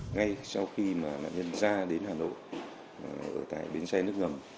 ngay sau khi mà nạn nhân ra đến hà nội ở tại bến xe nước ngầm